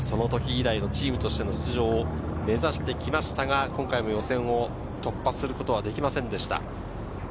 その時以来のチームとしての出場を目指してきましたが、今回も予選を突破することはできませんでした。